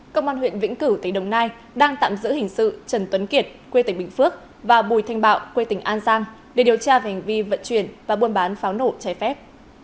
công an huyện vĩnh cửu tây đồng nai đang tạm giữ hình sự trần tuấn kiệt quê tỉnh bình phước và bùi thanh bạo quê tỉnh an giang để điều tra về hành vi vận chuyển và buôn bán pháo nổ trái phép